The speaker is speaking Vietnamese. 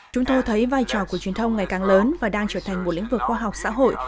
chúng tôi thấy vai trò của truyền thông ngày càng lớn và đang trở thành một lĩnh vực khoa học xã hội